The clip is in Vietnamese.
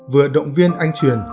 vừa động viên anh truyền